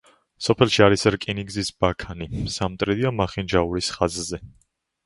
სოფელში არის რკინიგზის ბაქანი სამტრედია-მახინჯაურის ხაზზე.